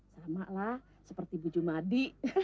sama lah seperti bu jumadi